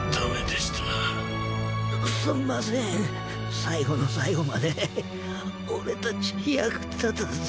すんません最後の最後まで俺たち役立たず。